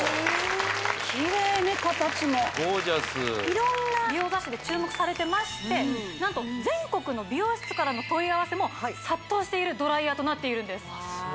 きれいね形もゴージャス色んな美容雑誌で注目されてまして何と全国の美容室からの問い合わせも殺到しているドライヤーとなっているんです